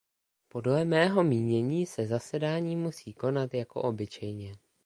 Podle mého mínění se zasedání musí konat jako obyčejně.